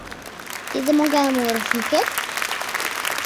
— Тиде могай муро, шинчет?